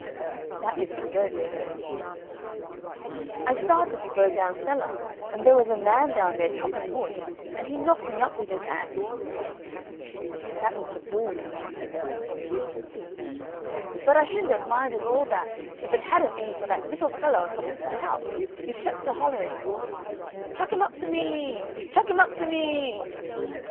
That was the goat, you know. "I started to go down cellar, and there was a man down there chopping wood, and he knocked me up with his axe." That was the bull, you know. "But I shouldn't have minded all that if it hadn't been for that little fellow on top of the house, who kept a hollering, 'Chuck him up to me e! Chuck him up to me e!'"